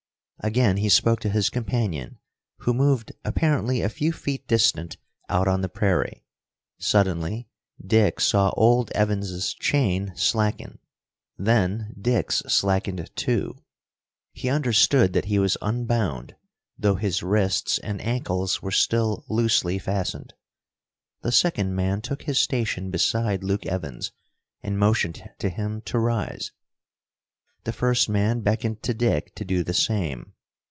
Again he spoke to his companion, who moved apparently a few feet distant out on the prairie. Suddenly Dick saw old Evans' chain slacken: then Dick's slackened too. He understood that he was unbound, though his wrists and ankles were still loosely fastened. The second man took his station beside Luke Evans and motioned to him to rise. The first man beckoned to Dick to do the same.